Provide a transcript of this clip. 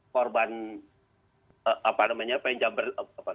korban apa namanya penjabat